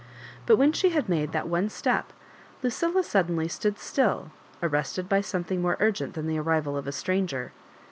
But when she had made that one step, Lucilla suddenly stood still, arrested by some thing more urgent than the arrival of a stranger.